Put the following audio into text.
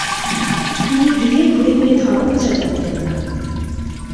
তিনি গৃহে ঘুরে ফিরে ধর্ম প্রচার করতেন না।